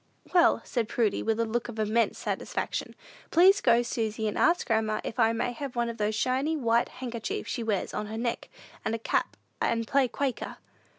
"Well," said Prudy, with a look of immense satisfaction, "please go, Susy, and ask grandma if I may have one of those shiny, white handkerchiefs she wears on her neck, and a cap, and play Quaker."